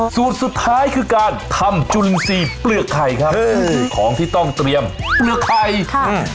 สูตรสุดท้ายคือการทำจุนซีเปลือกไข่ครับเออของที่ต้องเตรียมเปลือกไข่ค่ะอืม